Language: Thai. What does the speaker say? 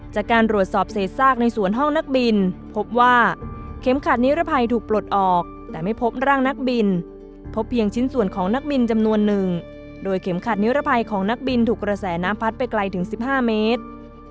จากการรวดสอบเศษซากในสวนห้องนักบินพบว่าเข็มขัดนิรภัยถูกปลดออกแต่ไม่พบร่างนักบินพบเพียงชิ้นส่วนของนักบินจำนวนนึงโดยเข็มขัดนิรภัยของนักบินถูกกระแสน้ำพัดไปไกลถึง๑๕เมตร